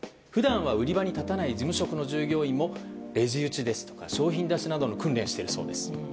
普段は売り場に立たない事務職の従業員もレジ打ちですとか商品出しなどの訓練をしているそうです。